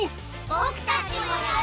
ボクたちもやる！